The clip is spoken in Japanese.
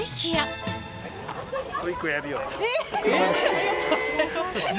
ありがとうございます。